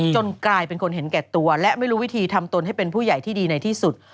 กลายเป็นคนเห็นแก่ตัวและไม่รู้วิธีทำตนให้เป็นผู้ใหญ่ที่ดีในที่สุด